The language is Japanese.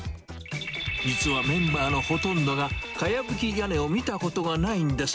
実は、メンバーのほとんどはかやぶき屋根を見たことがないんです。